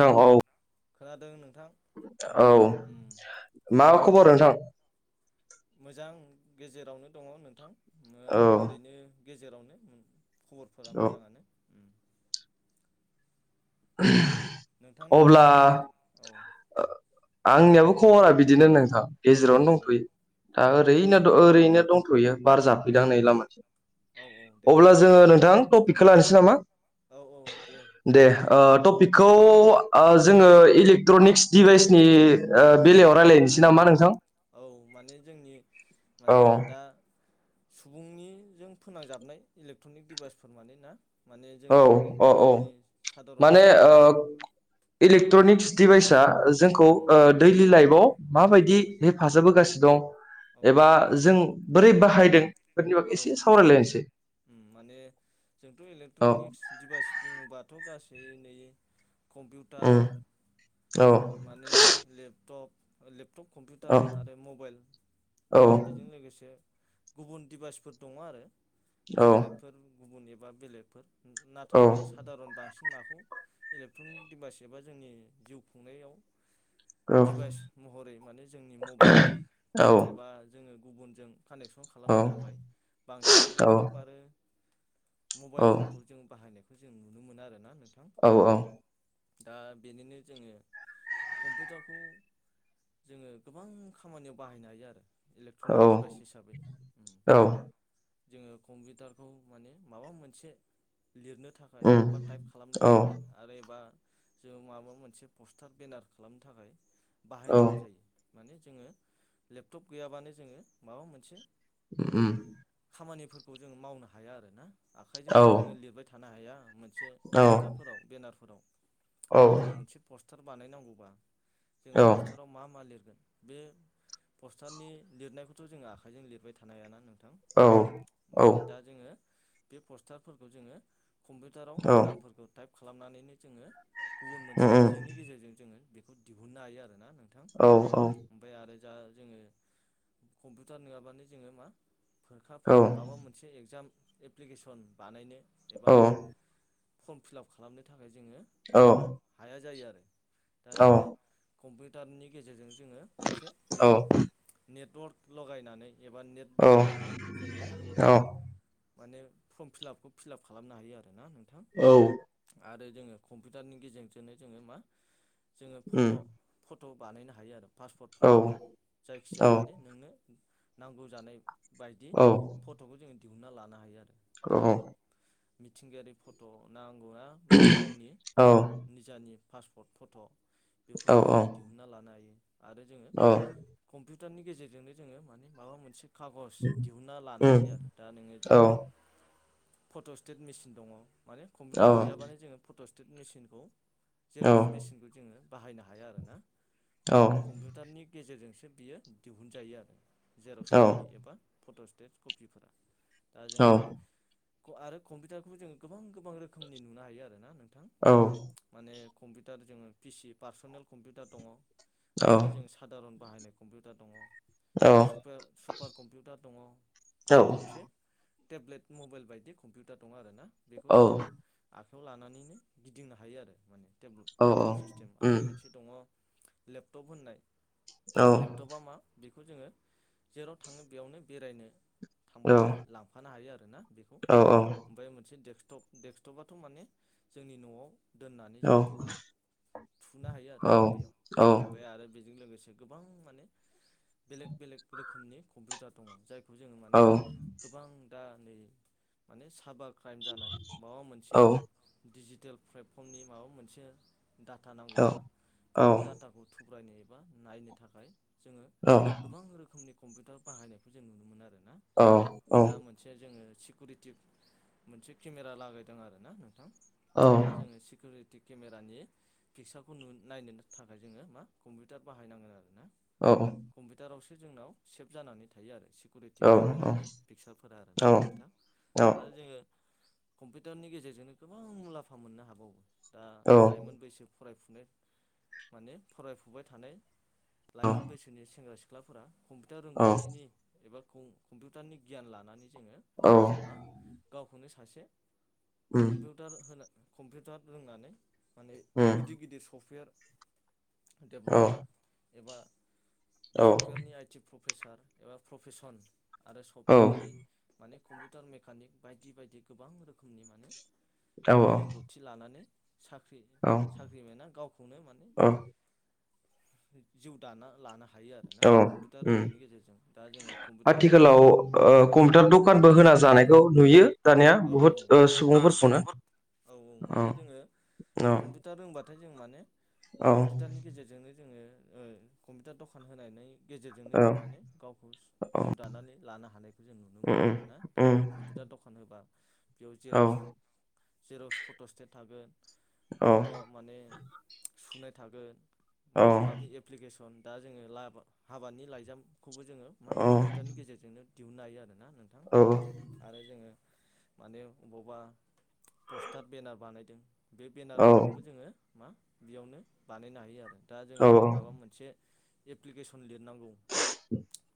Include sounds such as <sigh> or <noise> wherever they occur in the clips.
औ औ। खोनादों नोंथां। औ उम मा खबर नोंथां? मोजां गेजेरावनो दङ नोंथां ओ औ ओरैनो गेजेरावनो उम। खबरफोरा औ मोजाङानो उम। <inaudible> नोंथांनियालाय? खबर औ ओ आंनियाबो खबरा बिदिनो नोंथां। औ गेजेरावनो दंथ'यो औ दा दे ओरैनो उम ओरैनो दंथ'यो बार जाफैदां नै लामाथिं। औ औ दे। अब्ला जोङो नोंथां टपिकखौ लानोसै नामा? औ औ दे। दे ओ उम टपिकखौ ओ जोङो इलेक्ट्रनिक्स डिभाइसनि ओ बेलायाव रायलायनोसै नामा नोंथां? औ माने जोंनि औ माने दा सुबुंनिजों फोनांजाबनाय इलेक्ट्रनिक डिभाइसफोर माने ना? माने औ जोङो माने औ औ जोंनि सादारन माने जिउ ओ खुंनायाव इलेक्ट्रनिक्स डिभाइसा जोंखौ उम ओ दैलि लाइफआव औ माबायदि हे फाजाब होगासिनो औ दं एबा जों बोरै बाहायदों बेनि बागै औ एसे सावरायलायनोसै। उम माने जोंथ' औ इलेक्ट्रनिक्स डिभाइस बुङोबाथ' गासै नै उम कम्पिउटार औ माने लेपटप लेपटप औ कम्पिउटार आरो मबाइल औ आरो बेजों लोगोसे गुबुन दिडिभाइसफोर दङ आरो। औ टेब्लेटफोर गुबुन एबा बेलेगफोर औ नाथाय जों सा सादारन बांसिन माखौ इलेक्ट्रनिक डिभाइस एबा जोंनि जिउ खुंनायाव औ दिडभाइस महरै माने जोंनि मबाइल औ एबा जोङो गुबुनजों कानेक्स न खालामनो थाखाय बांसिन औ लेपटप आरो मबाइलफोरखौ जों बाहायनायखौ जों नुनो मोनो आरो ना नोंथां। औ औ। दा बेनिनो जोङो कम्पिउटारखौ जोङो गोबां खामानियाव बाहायनो हायो आरो। औ इलेक्ट्रनिक डिभाइस हिसाबै उम औ जोङो कम्पिउटारखौ माने माबा मोनसे लिरनो थाखाय उम एबा टाइप खालामनो औ थाखाय आरो एबा जों माबा मोनसे पस्टार बेनार खालामनो थाखाय औ बाहायनांगौ जायो माने जोङो लेपटप गैयाबानो जोङो माबा मोनसे उम खामानिफोरखौ जों मावनो हाया आरोना औ आखाइजोंथ' जोङो लिरबाय थानो हाया। से औ पटारफोराव बेनारफोराव औ दा जों मोनसे पस्टार बानायनांगौबा जों पस्टाराव मा मा लिरगोन बे पस्टारनि लिरनायखौथ' जोङो आखाइजों लिरबाय थानो हायाना नोंथां? औ माने दा जोङो बे पस्टारफोरखौ जोङो कम्पिउटाराव नामफोरखौ टाइप खालामनानैनो जोङो गुबुन उम मोनसे बिजोंनि गेजेरजों जोङो बेखौ दिहुननो हायो आरोना नों औ औ ओमफ्राय आरो जा जोङो कम्पिउटार नङाबानो जोङो मा फोरखा औ फोर माबा मोनसे एग्जाम एप्लिकेसन बानायनो एबा फर्म फिलाप खालामनो थाखाय जोङो औ हाया जायो आरो दा औ उम औ उम औ उम औ जोङो कम्पिउटारनि गेजेरजों जोङो मोनसे बेयाव नेटवर्क लगायनानै एबा नेट बाहायनानै जोङो माने फर्म फिलापखौ फिलाप खालामनो हायो आरो ना नोंथां? औ आरो जोङो कम्पिउटारनि गेजेरजोंनो जोङो मा जोङो फट' फट' बानायनो हायो आरो पासपर्ट फट' जायखिजाया माने नोंनो नांगौ जानाय बायदि। फट'खौ जोङो दिहुनन्ना लानो हायो आरो दा मिथिंगायारि फट' नांगौ ना? माने गावनि निजानि पासपर्ट फट' बेफोरखौ जोङो दि दिहुनना लानो हायो आरो जोङो कम्पिउटारनि गेजेरजोंनो जोङो मानि माबा मोनसे खागज दिहुनन्ना लानो हायो आरो दा नोङो जेरै फट'स्टेट मेसिन दङ माने कम्पिउटार गैयाबानो जोङो फट'स्टेट मेसिनखौ जेर'क्स मेसिनखौ जोङो बाहायनो हाया आरो ना? माने कम्पिउटारनि गेजेरजोंसो बियो दिहुनजायो आरो जेर'स्कपि एबा फट' सिटेट कपिफोरा दा जोङो आरो कम्पिउटारखौबो जोङो गोबां गोबां रोखोमनि नुनो हायो आरो ना नोंथां। औ माने कम्पिउटार जोङो पिसि पार्सनेल कम्पिउटार दङ ओरैनो जों। सादारन बाहायनाय कम्पिउटार दङ सुपार कम्पिउटार दङ आरो मोनसे टेब्लेट मबाइल बायदि कम्पिउटार दं आरोना बेखौ जोङो आखायाव लानानैनो गिदिंनो हायो आरो माने टेब्लेट सिस्टेम आरो मोनसे दङ लेपटप होननाय थ'बा मा बेखौ जोङो जेराव थाङो बेयावनो बेरायनो थांबाथाय लांफानो हायो आरोना बेखौ। ओमफ्राय मोनसे डेक्सटप डेक्सटपाथ' माने जोंनि न'आव दोननानै जों बेखौ फुनो हायो आरो बेयाव उम ओमफ्राय आरो बेजों लोगोसे गोबां माने बेलेख बेलेक रोखोमनि कम्पिउटार दङ जायखौ जोङो माने गोबां दा नै माने साइबार क्राइम जानाय माबा मोनसे डिजिटेल प्लेटफर्मनि माबा मोनसे डाटा नांगौबा बेफोर डाटाखौ थुब्रायनो एबा नायनो थाखाय जोङो औ गोबां रोखोमनि कम्पिउटार बाहायनायखौ जों नुनो मोनो आरोना। दा आङो मोनसे सिकिउरिटि मोनसे केमेरा लागायदों ना नोंथां? दा जोङो सिकिउरिटि केमेरानि पिक्सारखौ नायनो थाखाय जोङो मा कम्पिउटार बाहायनांगोन आरो ना औ औ कम्पिउटारावसो जोंनाव सेभ जानानै थायो आरो। कुरिटि केमेरानि पिक्सारफोरा आरोना नोंथां आरो जोङो कम्पिउटारनि गेजेरजोंनो गोबां मुलाम्फा मोननो हाबावो दा औ औ लाइमोन बैसो फराफु माने फरायफुबाय थानाय औ लाइमोन बैसोनि सेंग्रा सिख्ला सिख्लाफोरा कम्पिउटार औ रोंगौथिनि एबा लानानै जोङो औ मा गावखौनो सासे उम कम्पिउतार कम्पिउटार रोंनानै माने उम गिदिर-गिदिर सफ्टवेर औ एबा औ सफ्टवेरनि इटि प्रफेसार एबा प्रफेसन आरो सफ्टवेरनि माने कम्पिउटार मेकानिक बायदि-बायदि गोबां रोखोमनि माने औ जोङो रोंगौथि रोंगौथि लानानै औ साख्रि-साख्रिमोनो गावखौनो माने उम जिउ दाना लानो हायो आरो ना कम्पिउटार रोंनायनि गेजेरजों। दा जोङो कम्पिउटार आथिखालाव औ कम्पिउटार दखानबो होना जानायखौ नुयो। दानिया औ बुहुद ओ औ सुबुंफोरखौनो औ औ माने जोङो औ कम्पिउ दा रोंबाथाय जों माने औ कम्पिउटारनि गेजेरजोंनो जोङो ओ कम्पिउटार दखान होनानै गेजेरजोंनो औ जों माने गावखौ औ जिउ दानानै लानो हानायखौ जों नुनो मोनो उम आरो ना दा। उम कम्पिउटार दखान होबा। बेयाव औ जेरक्स जेर'क्स फट' सटेट थागोन औ फट'। माने सुनाय थागोन औ माबा माबि एप प्लिकेसन दा जोङो हाबानि लाइजामखौबो जोङो मा औ कम्पिउटारनि गेजेरजोंनो दिहुननो हायो आरो ना नोंथां। औ औ आरो जोङो माने अबावबा पस्टार बेनार बानायदों बे औ बेनारनिखौबो जोङो मा बेयावनो बानायनो हायो आरो दा जोंहा औ आरो माबा मोनसे एप्लिकेसन लिरनांगौ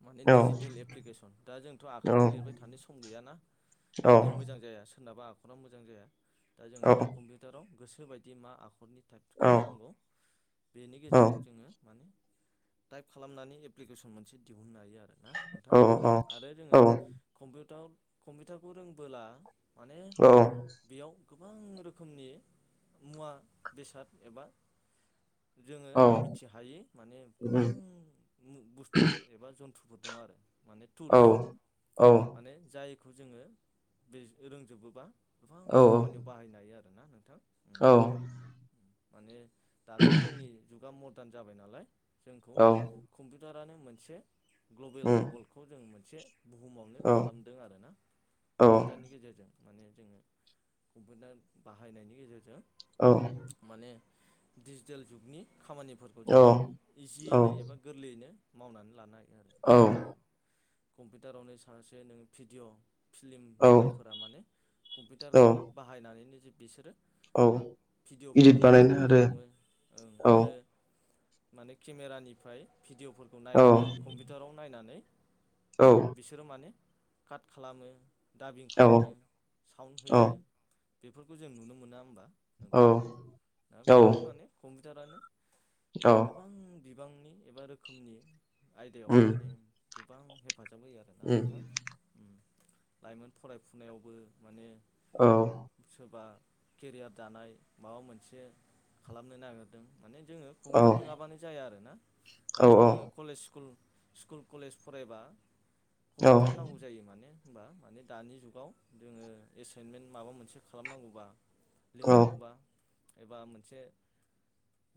माने डिजिटेल एप्लिकेसन दा जोंथ' आखाइजों लिरबाय थानो सम गैयाना? औ। माने मोजां जाया सोरनाबा आखरा मोजां जाया दा जोङो कम्पिउटाराव गोसोबायदि मा आखरनि टाइप खालामनांगौ बेनि गेजेरजों जोङो माने टाइप खालामनानै एप्लिकेसन मोनसे दिहुननो हायो आरो ना। नोंथां आरो जोङो कम्पिउटार -कम्पिउटारखौ रोंबोला माने बेयाव गोबां रोखोमनि मुवा बेसाद एबा जोङो औ मिथिहायि माने गोबां उम बुस्थुफोर एबा जन्थ्रुफोर दं आरो। माने औ टुल्स औ माने जायखौ जोङो बे रोंजोबोबा गोबां खामानियाव बाहायनो हायो आरोना नोंथां। उम औ। माने दाथ' जोंनि जुगा मदार्न जाबाय नालाय जोंखौ औ कम्पिउटारानो मोनसे ग्लबेल उम वर्ल्डखौ जों मोनसे बुहुमावनो औ खालामदों आरो ना। औ कम्पिउटारनि गेजेरजों माने जोङो कम्पिउटार बाहायनायनि गेजेरजों। औ माने डिजिटेल जुगनि खामानिफोरखौ जोङो औ इजियैनो एबा गोरलैयैनो मावनानै लानो हायो आरो दा जोङो कम्पिउटारावनो सासे नों भिडिअ' फिलिम औ मेकारफोरा माने कम्पिउटार औ खाला बाहायनानैनो जे बेसोरो मा औ इदिट भिडिअफोरखौ इदित बानायनो आरो खालामो ओं आरो माने केमेरानिफ्राय भिडिअफोरखौ औ नायनानै कम्पिउटाराव नायनानै औ। बिसोरो माने काट खालामो दाबिं औ खालामो सावन्ड होयो। बेफोरखौ जों नुनो मोना होमबा औ नोंथां दा औ बेफोर माने कम्पिउटारानो औ माने गोबां बिबांनि एबा रोखोमनि आयदायाव उम माने गोबां हेफाजाब होयो आरोना उम नोंथां उम। लाइमोन फरायफुनायावबो माने औ। सोरबा केरियार दानाय माबा मोनसे खालामनो नागिरदों माने जोङो औ कम्पिउटार नङाबानो जाया आरो ना औ दाथ'जोङो कलेज स्कुल स्कुल कलेज फरायबा कम्पिउटार नांगौ जायो माने होनबा माने दानि जुगाव जोङो एसाइनमेन्ट माबा मोनसे खालामनांगौबा औ लिरनांगौबा एबा मोनसे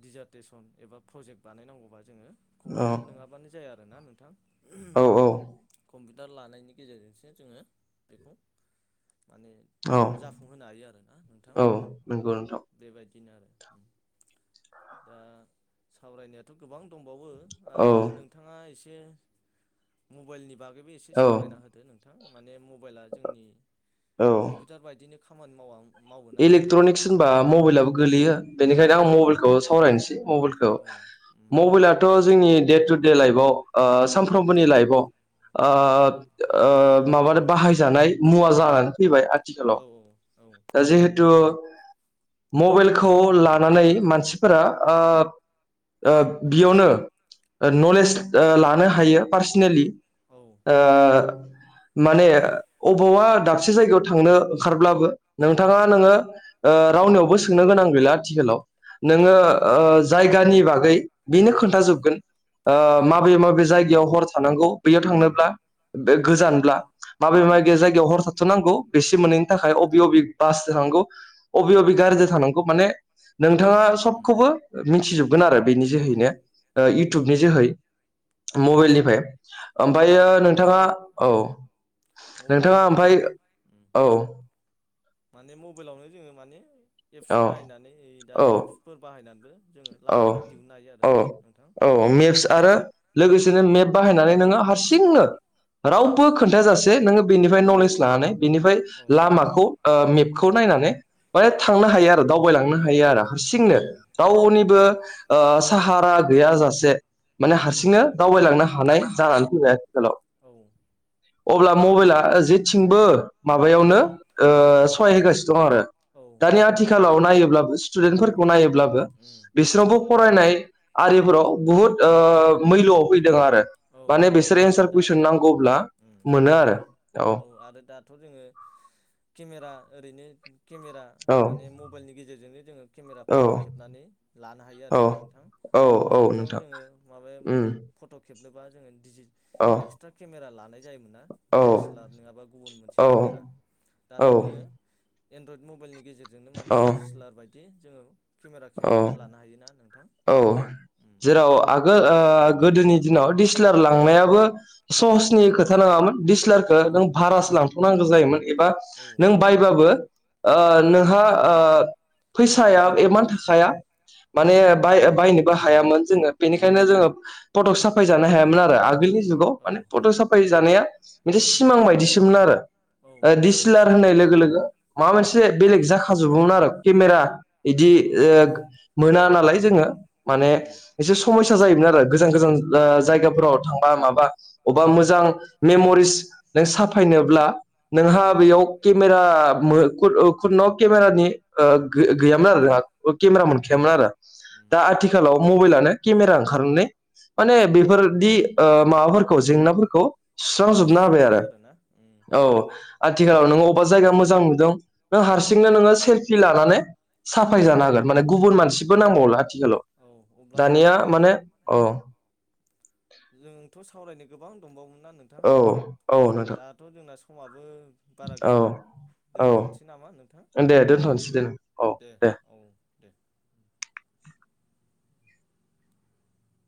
डिजार्टेसन एबा प्रजेक्ट बानायनांगौबा जोङो कम्पिउटार नोङाबानो जाया आरो ना नोंथां। कम्पिटार लानायनि गेजेरजोंसो जोङो बेखौ माने औ जाफुंहोनो हायो आरोना नोंथां औ उम। नंगौ नोंथां बेबायदिनो आरो उम दा सावरायनायाथ गोबां दंबावो। आरो नोंथाङा एसे मबाइलनि बागैबो एसे औ सावरायना होदो नों थां माने मबाइला जोंनि औ कम्पिटार बायदिनो खामानि मावा मावोना नोंथां इलेक्ट्रनिक्स होनबा औ मबेलाबो गोलैयो औ बेनिखायनो आं औ मबाइलखौ उम सावरायनोसै मबेलखौ औ उम मबाइलाथ जोंनि दे टु दे लाइफआव ओ सानफ्रोमबोनि लाइफआव ओ उम ओ माबानो बाहायजानाय मुवा जानानै फैबाय। आथिखालाव औ औ औ जिहेथु मबेइलखौ लानानै मानसिफोरा ओ ओ बियावनो ओ नलेज ओ लानो हायो पार्सनेलि। औ ओ माने अबावबा दाबसे जायगायाव थांनो ओंखारब्लाबो नोंथाङा उम नोङो ओ‌ रावनियावबो सोंनो गोनां गैला आथिखालाव। औ नोङो माने ओ जायगानि उम बागै बेनो औ खोन्थाजोबगोन। ओ औ माबे माबे जायगायाव हर थानांगौ बैयाव थांनोब्ला औ गो-गोजानब्ला। माबे उम माबे जायगायाव हर थाथनांगौ बेसे मोननैनि थाखाय बबे बबे बासजों थानांगौ अबे अबे गारिजों थानांगौ माने नोंथाङा उम सबखौबो। मिथिजोबगोन आरो बेनि औ जोहैनो ओ उम इयउटुबनि जोहै। औ मबाइलनिफाय औ ओमफायो माने आरो नोंथाङा औ। उम नोंथाङा मबाइलावनो जों ओमफ्राय उम औ। माने मबेइलावनो जोङो माने एप्स औ बाहायनानै दा औ मेप्सफोर बाहायनानैबो। जोङो औ लामाखौ दिहुननो हायो औ आरोना नोंथां औ उम दे मेप्स आरो उम लोगोसेनो मेप बाहायनानै नोङो हारसिं। औ थिंनो उम रावबो खोन्थाजासे नोङो बेनिफ्राय नलेज लानानै बेनिफ्राय औ लामाखौ। ओ‌ मेपखौ नायनानै माने थांनो हायो आरो दावबायलांनो औ हायो आरो औ हारसिंनो। औ उम वनिबो ओ साहारा गैया जासे। माने उम हारसिंनो दावबायलांनो हानाय जानानै फैबाय आथिखालाव औ। अब्ला नंगौ मबाइला जेथिंबो माबायावनो उम सहाय होगासिनो दं आरो। औ। दानि आथिखालाव नायोब्लाबो स्टुडेन्टफोरखौ नायोब्लाबो। उम बिसोरनावबो फरायनाय आरिफोराव बुहुद ओ मैलआव फैदों। फैदों आरो औ माने बिसोर आरो एन्सार दा कुइसन नै नांगौब्ला उम मोनो आरो। औ आरो दाथ जोङो केमेरा ओरैनो केमेरा औ माने मब मबेइलनि गेजेरजोंनो जोङो केमेरा फट‌ खेबनानै लानो हायो औ आरोना नोंथां औ औ गोदोथ नोंथां जोङो माबाया। उम फत खेबनोबा जोङो दिजि औ एक्सट्रा केमेरा लानाय जायोमोन ना औ दिस लाब नोङाबा गुबुन मोनसे औ औ केमेरा दाथ जोङो एनड्रइद मबेइलनि गेजेराव जोंनो माने औ डिसलार बायदि जोङो केमेरा खेबनानै लानो हायोना नोंथां। औ उम जेराव आगोल ओ गोदोनि दिनाव दिसेलार लांनायाबो। उम सहसनि खोथा नोङामोन औ दिसलारखौ नों भारासो उम लांथनांगौ जायोमोन एबा औ उम नों बाय ब्लाबो ओ नोंहा ओ। फैसाया एमान थाखाया माने उम बाय बायनोबो हायामोन जोङो बेनिखायनो जोङो। फटक साफाय जानो हायामोन आरो आगोलनि जुगाव औ माने फटक साफाय जानाया मोनसे। सिमां बायदिसोमोन आरो औ ओ दिसिलार उम होननाय लोगो लोगो माबा मोनसे उम बेलेग जाखा खाजोबोमोन आरो केमेरा बिदि औ मोना नालाय जोङो माने उम एसे समयसा जायोमोन आरो गोजान गोजान जायगाफोराव थांबा माबा अबेबा औ मोजां मेमरिस नों साफायनोब्ला नोंहा औ बेयाव केमेरा खुन न केमेरानि ओ गो गैयामोन आरो ना केमेरा औ मोनखायामोन आरो उम दा आथिखालाव केमेरा ओंखारनानै माने उम बेफोरदि ओ माबाफोरखौ जेंनाफोरखौ सुस्रांजोबना होबाय आरो। हा उम। औ औ आथिखालाव दे नों अबेबा जायगा उम मोजां नुदों नों उम हारसिंनो नोङो सेल्फि लानानै औ साफाय जानो हागोन माने गुबुन औ मानसि बो नांबावला आथिखालाव औ अब्लाथ' दानिया जोंना माने अ। उम जोंथ' सावरायनो गोबां दंबावोमोनना नोंथां औ औ नोंथां दाथ' जोंना समाबो बारा औ गैला औ दोनथ'नोसै नामा नोंथां दे दोनथ'नोसै दे औ दे औ। दे